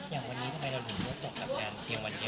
อย่างวันนี้ทำไมเราถึงเลือกจัดงานเพียงวันเดียว